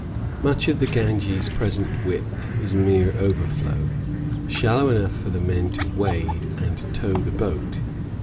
Much of the Ganges' present width is mere overflow, shallow enough for the men to wade and tow the boat.